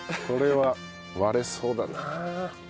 これは割れそうだな。